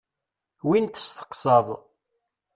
Win testeqsaḍ.